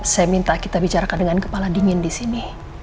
saya minta kita bicarakan dengan kepala dingin disini